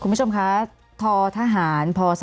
คุณผู้ชมคะททหารพศ๒๕